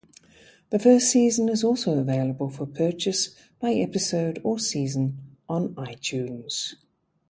The first season is also available for purchase by episode or season on iTunes.